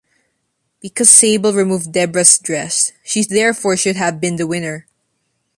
Because Sable removed Debra's dress, she therefore should have been the winner.